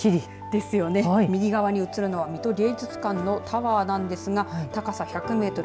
右側に写るのは水戸芸術館のタワーなんですが高さ１００メートル